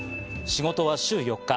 仕事は週４日。